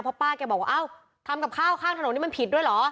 เพราะป้าแกบอกว่าเอ้าทำกับข้าวข้างถนนนี่มันผิดด้วยเหรอ